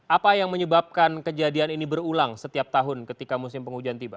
apa yang menyebabkan kejadian ini berulang setiap tahun ketika musim penghujan tiba